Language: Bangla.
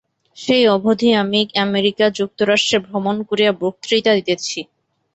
সেই অবধি আমি আমেরিকা যুক্তরাষ্ট্রে ভ্রমণ করিয়া বক্তৃতা দিতেছি।